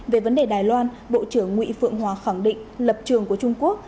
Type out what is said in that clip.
về vấn đề đài loan bộ trưởng nguyễn phượng hòa khẳng định lập trường của trung quốc